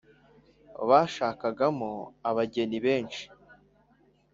bashakagamo abageni benshi